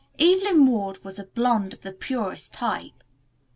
Evelyn Ward was a blonde of the purest type.